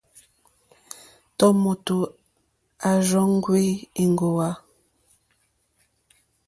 Tɔ̀mòtò à rzóŋwí èŋɡòwá.